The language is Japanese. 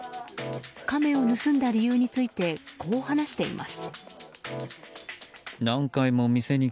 カメを盗んだ理由についてこう話しています。